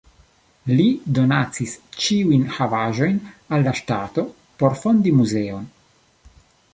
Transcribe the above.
Li donacis ĉiujn havaĵojn al la ŝtato, por fondi muzeon.